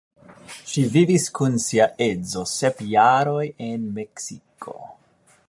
Ŝi vivis kun sia edzo sep jaroj en Meksiko.